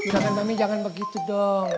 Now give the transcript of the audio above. jangan mami jangan begitu dong